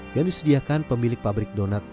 yang disediakan pemilik pabrik donat